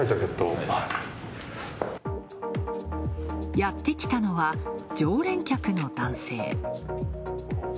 やってきたのは常連客の男性。